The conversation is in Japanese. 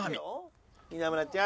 稲村ちゃん。